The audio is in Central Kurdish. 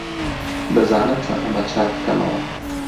دەزانم چۆن ئەمە چاک بکەمەوە.